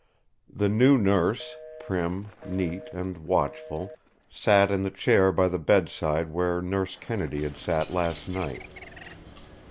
The new nurse, prim, neat, and watchful, sat in the chair by the bedside where Nurse Kennedy had sat last night.